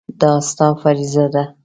دا ستا فریضه ده.